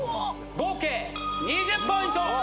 合計２０ポイント！